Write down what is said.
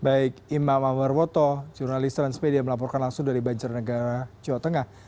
baik imam amarwoto jurnalis transmedia melaporkan langsung dari banjarnegara jawa tengah